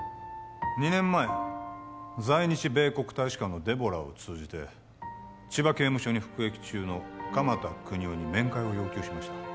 ２年前在日米国大使館のデボラを通じて千葉刑務所に服役中の鎌田國士に面会を要求しました